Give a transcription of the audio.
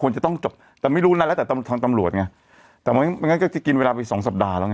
จะต้องจบแต่ไม่รู้นะแล้วแต่ทางตำรวจไงแต่ไม่ไม่งั้นก็จะกินเวลาไปสองสัปดาห์แล้วไง